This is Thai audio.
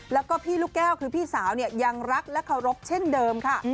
แล้วก็พี่ลูกแก้วคือพี่สาวยังรักและเคารพเช่นเดิมค่ะ